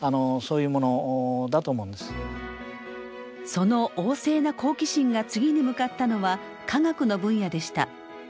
その旺盛な好奇心が次に向かったのは科学の分野でした。